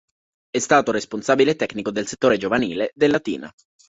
È stato responsabile tecnico del settore giovanile del Latina.